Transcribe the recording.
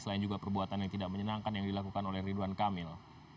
selain juga perbuatan yang tidak menyenangkan yang dilakukan oleh ridwan kamil